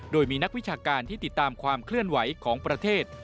โดยมีนักวิชาการที่ติดตามความเคลื่อนไหวของประเทศ